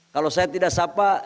kalau saya tidak sapa